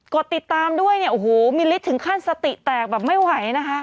ดติดตามด้วยเนี่ยโอ้โหมิลลิสถึงขั้นสติแตกแบบไม่ไหวนะคะ